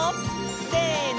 せの！